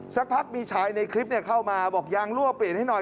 สักพักมีชายในคลิปเข้ามาบอกยางรั่วเปลี่ยนให้หน่อย